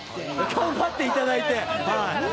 頑張っていただいて。